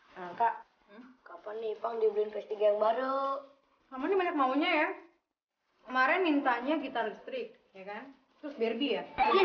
yang baru sama nih banyak maunya ya kemarin minta nya gitar listrik ya kan terus berbi ya